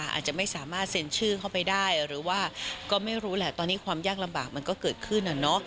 อาจจะไม่สามารถเซ็นชื่อเข้าไปได้หรือว่าก็ไม่รู้แหละตอนนี้ความยากลำบากมันก็เกิดขึ้น